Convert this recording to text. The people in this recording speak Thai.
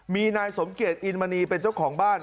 มีนายสมเกียจอินมณีเป็นเจ้าของบ้าน